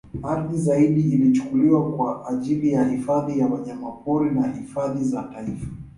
Ardhi zaidi ilichukuliwa kwa ajili ya hifadhi ya wanyamapori na hifadhi za taifa